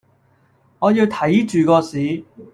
我要睇著個市